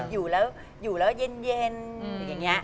อยู่แล้วเย็นอย่างเงี้ย